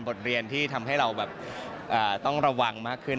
บทเรียนที่ทำให้เราแบบต้องระวังมากขึ้น